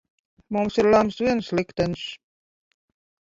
Mums ir lemts viens liktenis.